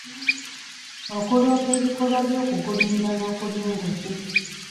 Okuloopa ebikolwa by'okugulirira n'okulya enguzi.